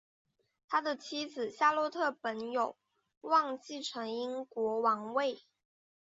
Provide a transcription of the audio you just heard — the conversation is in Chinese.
他的妻子夏洛特本有望继承英国王位。